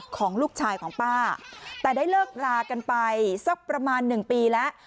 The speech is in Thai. ของลูกชายของป้าแต่ได้เลิกรากันไปสักประมาณหนึ่งปีแล้ว